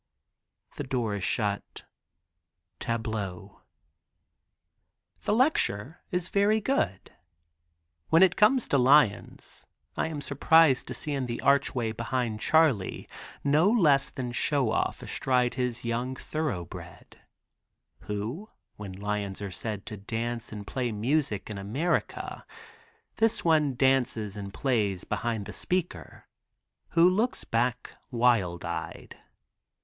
The door is shut. Tableau. The lecture is very good. When it comes to lions I am surprised to see in the archway behind Charley, no less than Show Off astride his young thoroughbred, who, when lions are said to dance and play music in America, this one dances and plays behind the speaker, who looks back wild eyed.